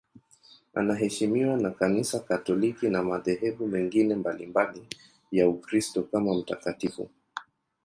Anaheshimiwa na Kanisa Katoliki na madhehebu mengine mbalimbali ya Ukristo kama mtakatifu.